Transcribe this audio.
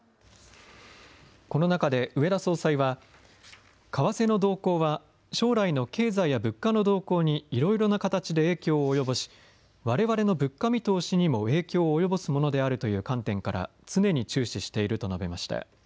この中で植田総裁は為替の動向は将来の経済や物価の動向にいろいろな形で影響を及ぼし、われわれの物価見通しにも影響を及ぼすものであるという観点から常に注視していると述べました。